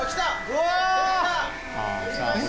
うわ！